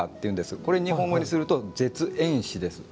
これ、日本語にすると絶縁紙です。